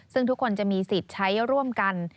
ซึ่งทุกคนจะมีสิทธิ์ใช้ร่วมกัน